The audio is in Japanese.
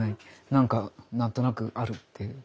なんか何となくあるっていう。